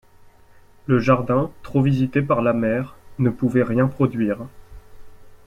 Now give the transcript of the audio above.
Le jardin, trop visité par la mer, ne pouvait rien produire.